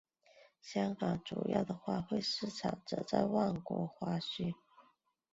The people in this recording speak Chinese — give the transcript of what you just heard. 香港主要的花卉市场则有旺角花墟。